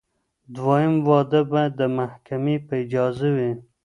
دویم واده باید د محکمې په اجازه وي.